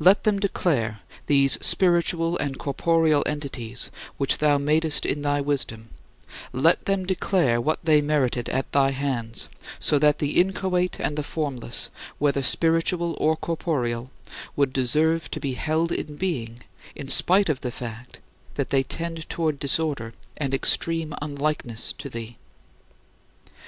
Let them declare these spiritual and corporeal entities, which thou madest in thy wisdom let them declare what they merited at thy hands, so that the inchoate and the formless, whether spiritual or corporeal, would deserve to be held in being in spite of the fact that they tend toward disorder and extreme unlikeness to thee?